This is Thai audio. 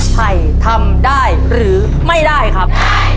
ไผ่ทำได้หรือไม่ได้ครับ